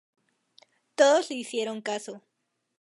Todos le hicieron caso.